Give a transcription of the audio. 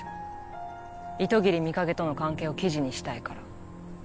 糸切美影との関係を記事にしたいから。